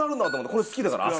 これ好きだから朝。